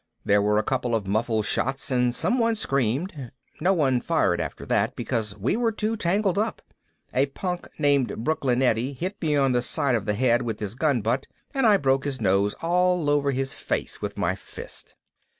There were a couple of muffled shots and someone screamed. No one fired after that because we were too tangled up. A punk named Brooklyn Eddie hit me on the side of the head with his gunbutt and I broke his nose all over his face with my fist.